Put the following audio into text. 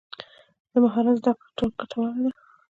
د مهارت زده کړه تل ګټوره ده.